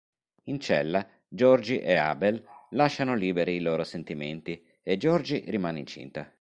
In cella, Georgie e Abel lasciano liberi i loro sentimenti e Georgie rimane incinta.